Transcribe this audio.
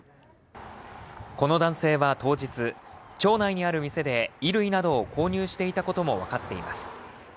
この男性は当日、町内にある店で衣類などを購入していたことも分かっています。